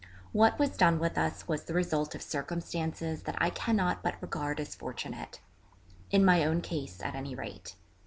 What was done with us was the result of circumstances that I cannot but regard as fortunate, in my own case at any rate.